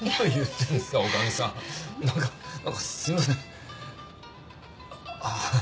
なんかすいません。